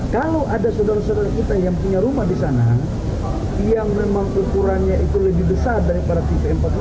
kalau ada saudara saudara kita yang punya rumah di sana yang memang ukurannya itu lebih besar daripada tipe empat puluh